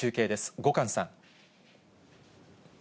後閑さん。